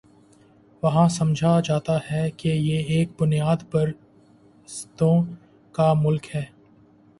وہاں سمجھا جاتا ہے کہ یہ ایک بنیاد پرستوں کا ملک ہے۔